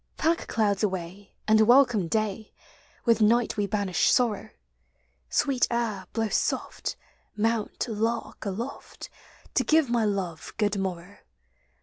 Pack clouds away, and welcome day. With night we banish sorrow; Sweet air, blow soft; mount, lark, aloft. To give my love good morrow.